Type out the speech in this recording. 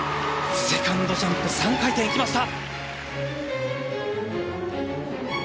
セカンドジャンプ３回転行きました。